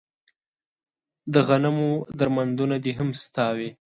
د غنمو درمندونه دې هم ستا وي